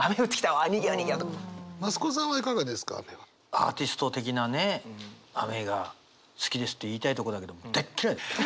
アーティスト的なね「雨が好きです」って言いたいとこだけども大っ嫌い！